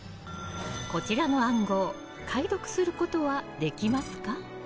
こちらの暗号解読することはできますか？